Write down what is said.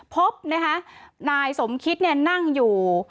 พบนะคะนายสมคิดนั่งอยู่